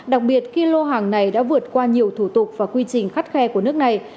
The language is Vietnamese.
đặc biệt khi lô hàng này đã vượt qua nhiều thủ tục và quy trình khắt khe của nước này